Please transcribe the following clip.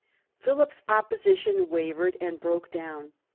Philip's op position wavered and broke down.